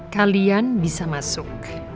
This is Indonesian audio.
kalian bisa masuk